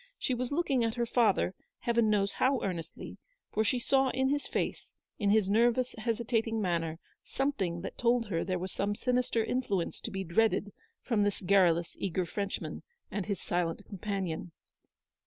She was looking at her father, Heaven knows how earnestly, for she saw in his face, in his nervous hesitating manner, something that told her there was some sinister influence to be dreaded from this garrulous, eager Frenchman and his silent companion.